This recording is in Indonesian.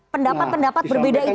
pendapat pendapat berbeda itu